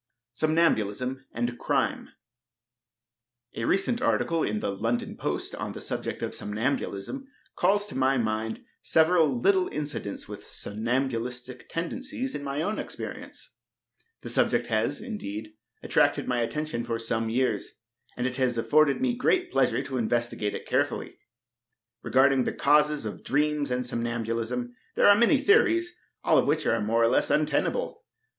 Somnambulism and Crime. A recent article in the London Post on the subject of somnambulism, calls to my mind several little incidents with somnambulistic tendencies in my own experience. This subject has, indeed, attracted my attention for some years, and it has afforded me great pleasure to investigate it carefully. Regarding the causes of dreams and somnambulism, there are many theories, all of which are more or less untenable.